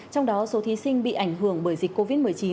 trong đó số thí sinh bị ảnh hưởng bởi dịch covid một mươi chín